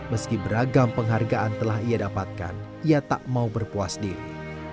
meski beragam penghargaan telah ia dapatkan ia tak mau berpuas diri